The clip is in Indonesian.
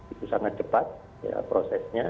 itu sangat cepat prosesnya